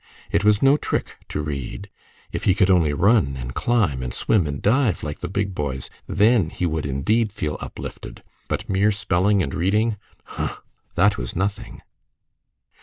It was no trick to read. If he could only run, and climb, and swim, and dive, like the big boys, then he would indeed feel uplifted; but mere spelling and reading, "Huh! that was nothing."